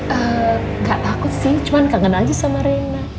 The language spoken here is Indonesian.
eee gak takut sih cuman kangen aja sama rena